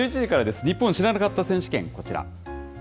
ニッポン知らなかった選手権、こちら。